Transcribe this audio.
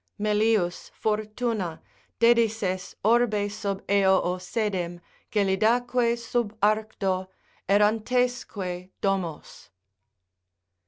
Melius, Fortuna, dedisses Orbe sub Eco sedem, gelidaque sub Arcto, Errantesque domos."